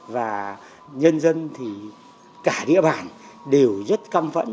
và nhân dân thì cả địa bàn đều rất căm phẫn